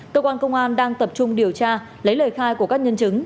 cơ quan công an đang tập trung điều tra lấy lời khai của các nhân chứng